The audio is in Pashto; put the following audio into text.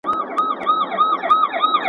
کشکي ستا په خاطر لمر وای راختلی `